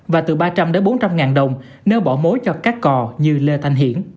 và từ ba trăm đến bốn trăm ngàn đồng nếu bỏ mối cho các cò như lê thanh hiển